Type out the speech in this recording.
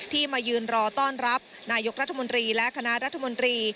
มายืนรอต้อนรับนายกรัฐมนตรีและคณะรัฐมนตรี